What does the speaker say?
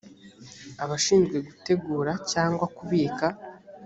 abashinzwe gutegura cyangwa kubika